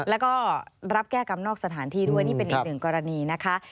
แล้วก็รับแก้กรรมนอกสถานที่ด้วยนี่เป็นอีกหนึ่งกรณีนะคะ